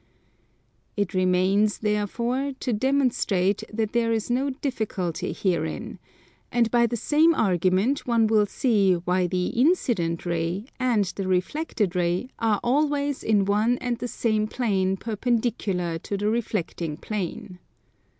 It remains, therefore, to demonstrate that there is no difficulty herein: and by the same argument one will see why the incident ray and the reflected ray are always in one and the same plane perpendicular to the reflecting plane.